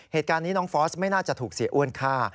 เหตุการณ์นี้น้องฟอสไม่น่าจะถูกเสียอ้วนฆ่า